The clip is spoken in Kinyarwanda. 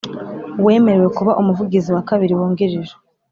Uwemerewe kuba Umuvugizi wa Kabiri Wungirije